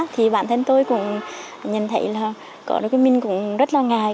thì bản thân tôi cũng nhận thấy là có được cái mình cũng rất là ngài